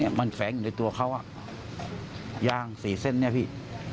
เนี่ยมันแฟนอยู่ในตัวเขาอะยางสี่เส้นนี้พี่